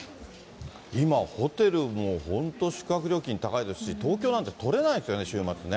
今、ホテルも本当、宿泊料金高いですし、東京なんて取れないですよね、週末ね。